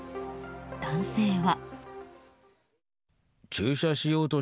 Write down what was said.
男性は。